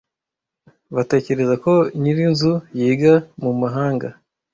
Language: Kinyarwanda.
Batekereza ko nyir'inzu yiga mu mahanga.